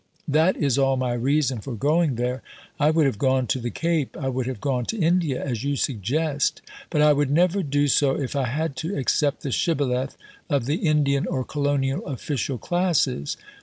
That is all my reason for going there. I would have gone to the Cape. I would have gone to India as you suggest, but I would never do so if I had to accept the shibboleth of the Indian or Colonial official classes....